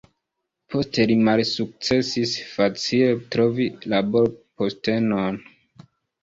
Poste li malsukcesis facile trovi laborpostenon.